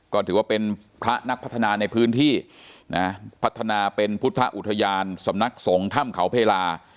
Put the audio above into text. ก็ถือว่าเป็นพระนักพัฒนาในพื้นที่นะพัฒนาเป็นพุทธอุทยานสำนักสงฆ์ถ้ำเขาเพลา